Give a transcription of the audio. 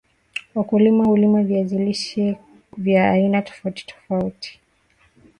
wakulima hulima viazi lishe vya aina tofauti tofauti